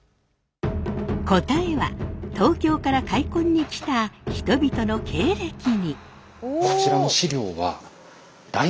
答えは東京から開墾に来た人々の経歴に。